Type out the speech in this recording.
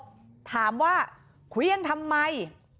เปิดกระจกถามว่าคุยยังทำไม